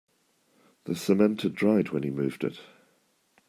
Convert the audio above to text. The cement had dried when he moved it.